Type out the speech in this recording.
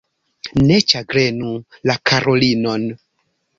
Ne ĉagrenu la karulinon.